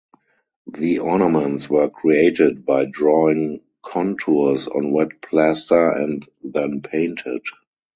The ornaments were created by drawing contours on wet plaster and then painted.